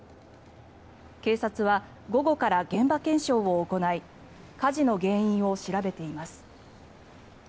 警察は午後から現場検証を行い火事の原因を調べています。